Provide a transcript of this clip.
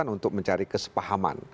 untuk mencari kesepahaman